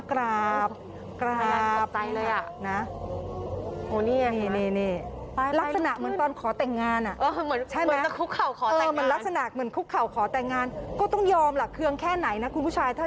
กกดแค่ไหนก็อ่อนลงมาล่ะ